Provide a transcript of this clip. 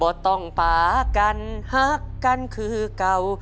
บอตต้องปากั้นหักกันคืเก่า